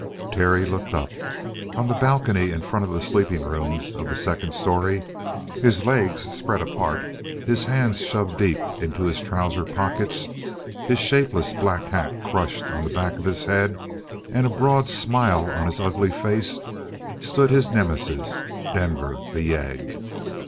Terry looked up. On the balcony in front of the sleeping rooms of the second story, his legs spread apart, his hands shoved deep into his trouser pockets, his shapeless black hat crushed on the back of his head, and a broad smile on his ugly face, stood his nemesis Denver the yegg!